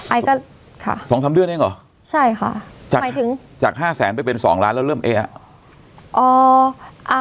ไอก็ค่ะสองสามเดือนเองเหรอใช่ค่ะหมายถึงจากห้าแสนไปเป็นสองล้านแล้วเริ่มเอ๊ะอ่ะ